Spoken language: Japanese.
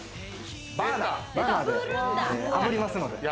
バーナーであぶりますので。